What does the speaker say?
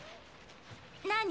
何？